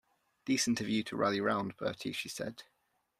"Decent of you to rally round, Bertie," she said.